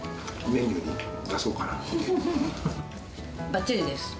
ばっちりです。